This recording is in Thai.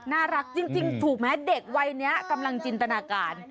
น่ารักจริงถูกไหมเด็กวัยนี้กำลังจินตนาการ